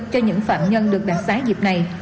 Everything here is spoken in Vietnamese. cho những phạm nhân được đặc xá dịp này